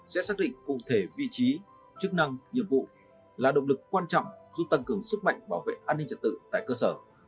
sẽ xác định cụ thể vị trí chức năng nhiệm vụ là động lực quan trọng giúp tăng cường sức mạnh bảo vệ an ninh trật tự tại cơ sở